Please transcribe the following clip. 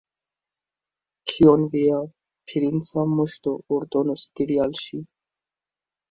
Kion via princa moŝto ordonos diri al ŝi?